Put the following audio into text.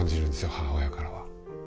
母親からは。